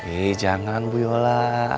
eh jangan boyola